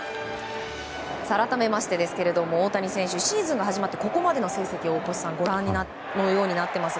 改めて、大谷選手ですがシーズンが始まってここまでの成績ご覧のようになっています。